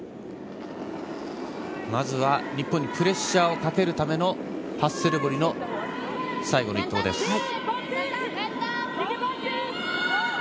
まず日本にプレッシャーをかけるためのハッセルボリの最後の１投です。